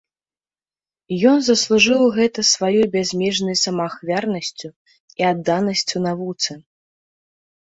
Ён заслужыў гэта сваёй бязмежнай самаахвярнасцю і адданасцю навуцы.